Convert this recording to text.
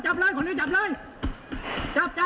คนชี้จับเลย